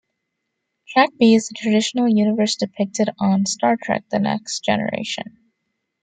Track B is the traditional universe depicted on "Star Trek: The Next Generation".